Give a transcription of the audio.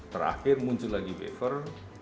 terakhir muncul lagi waiver